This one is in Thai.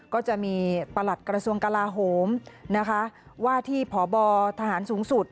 ก็จะมีประหลัดกระทรวงกลาโหมนะคะว่าที่พบทหารสูงสุด